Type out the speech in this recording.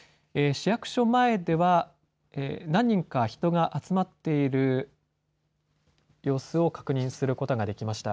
市役所前では何人か人が集まっている様子を確認することができました。